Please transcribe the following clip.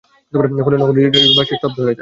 ফলে নগরবাসী স্তব্ধ হয়ে যায়।